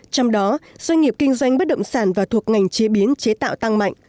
trong đó doanh nghiệp kinh doanh bất động sản và thuộc ngành chế biến chế tạo tăng mạnh